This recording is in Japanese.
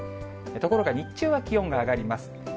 ところが日中は気温が上がります。